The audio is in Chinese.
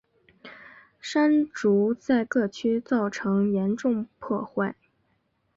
山竹在各区造成严重破坏。